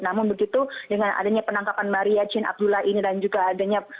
namun begitu dengan adanya penangkapan maria chin abdullah ini dan juga adanya